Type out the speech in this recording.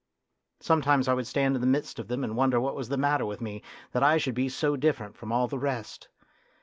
Sometimes I would stand in the midst of them, and wonder what was the matter with me that I should be so different from all the rest.